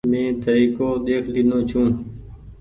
مين تريڪو ۮيک لينو ڇون ۔